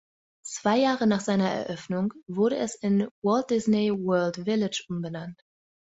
Zwei Jahre nach seiner Eröffnung wurde es in Walt Disney World Village umbenannt.